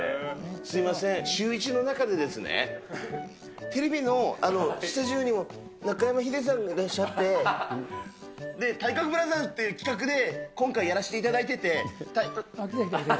すみません、シューイチの中で、テレビのスタジオにも中山ヒデさんがいらっしゃって、で、体格ブラザーズっていう企画で今回、やらせていただいてて。